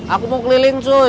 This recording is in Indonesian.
aku mau keliling cuy